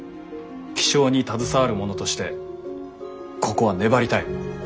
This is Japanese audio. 気象に携わる者としてここは粘りたい。